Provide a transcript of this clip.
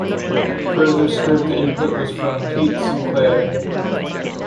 Further script input was from Pete Sinclair.